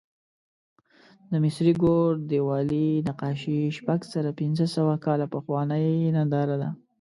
د مصري ګور دیوالي نقاشي شپږزرهپینځهسوه کاله پخوانۍ ننداره ده.